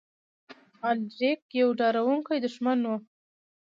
الاریک یو ډاروونکی دښمن و.